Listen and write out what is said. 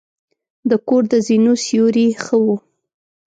د کور د زینو سیوري ښه وه.